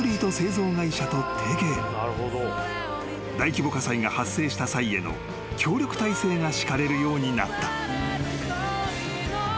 ［大規模火災が発生した際への協力体制が敷かれるようになった］